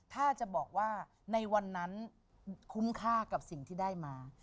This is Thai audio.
ถ้าจะบอกว่าในวันนั้นคุ้มค่ากับสิ่งที่ได้มา